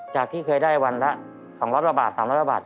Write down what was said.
จากที่เคยได้วันละ๒๐๐บาท๓๐๐บาท